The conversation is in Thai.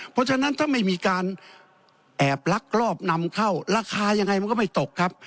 เพราะฉะนั้นถ้าไม่มีการแอบลักลอบนำเข้าราคายังไงมันก็ไม่ตกครับ